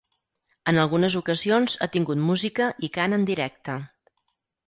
En algunes ocasions ha tingut música i cant en directe.